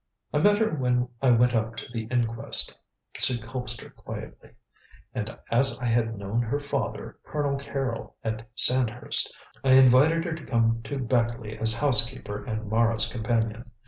"I met her when I went up to the inquest," said Colpster quietly. "And as I had known her father, Colonel Carrol, at Sandhurst, I invited her to come to Beckleigh as housekeeper and Mara's companion.